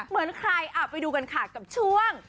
เหมือนใครไปดูกันค่ะกับช่วง